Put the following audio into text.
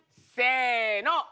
せの！